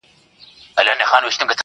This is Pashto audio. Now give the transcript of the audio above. دا زما د کوچنيوالي غزل دی ..